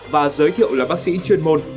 và giới thiệu là bác sĩ chuyên môn